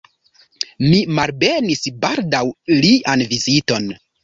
Mi malbenis baldaŭ lian viziton.